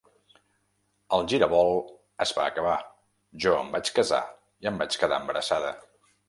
El ‘Giravolt’ es va acabar, jo em vaig casar i em vaig quedar embarassada.